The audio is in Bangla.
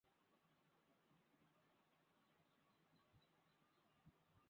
ইস্যুতে ফোক, ক্লাসিক্যাল এবং জ্যাজ সহ বিভিন্ন শৈলীতে গিটারের জন্য বাদ্যযন্ত্রের কাজও অন্তর্ভুক্ত ছিল।